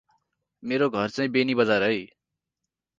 मेरो घर चै बेनी बजार है ।